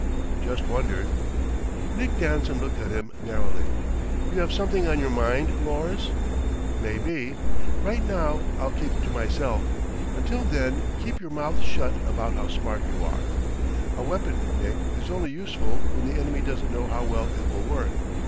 "Just wondered." Nick Danson looked at him narrowly. "You have something on your mind, Lors?" "Maybe. Right now, I'll keep it to myself. Until then, keep your mouth shut about how smart you are. A weapon, Nick, is only useful when the enemy doesn't know how well it will work.